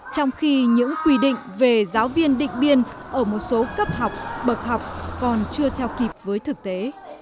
trong khi những quy định về giáo viên định biên ở một số cấp học bậc học còn chưa theo kịp với thực tế